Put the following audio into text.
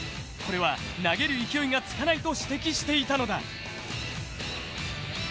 これは投げる勢いがつかないと指摘していたのだ。